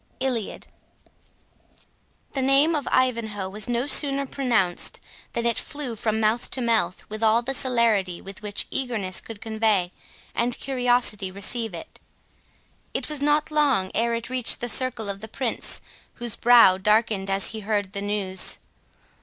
ILIAD The name of Ivanhoe was no sooner pronounced than it flew from mouth to mouth, with all the celerity with which eagerness could convey and curiosity receive it. It was not long ere it reached the circle of the Prince, whose brow darkened as he heard the news.